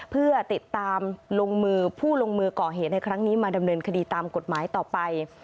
เพื่อติดตามลงมือผู้ลงมือก่อเหตุในครั้งนี้มาดำเนินคดีตามกฎหมายต่อไป